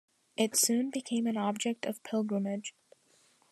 It soon became an object of pilgrimage.